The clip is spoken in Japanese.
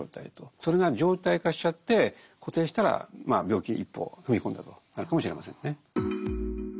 それが常態化しちゃって固定したら病気に一歩踏み込んだとなるかもしれませんね。